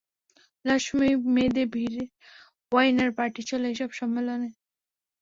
লাস্যময়ী মেয়েদের ভিড়, ওয়াইন আর পার্টি চলে এসব সম্মেলনে।